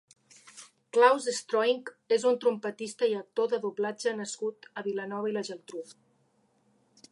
Klaus Stroink és un trompetista i actor de doblatge nascut a Vilanova i la Geltrú.